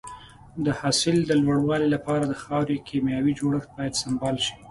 د حاصل د لوړوالي لپاره د خاورې کيمیاوي جوړښت باید سمبال شي.